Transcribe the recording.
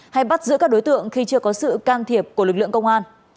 hay bắt giữ các đối tượng khi chưa có sự can thiệp của lực lượng công an